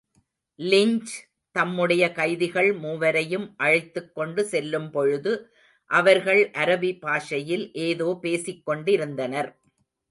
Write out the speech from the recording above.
Lynch தம்முடைய கைதிகள் மூவரையும் அழைத்துக்கொண்டு செல்லும் பொழுது அவர்கள் அரபி பாஷையில் ஏதோ பேசிக்கொண்டிருந்தனர்.